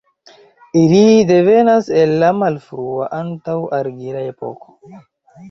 Ili devenas el la malfrua, antaŭ-argila epoko.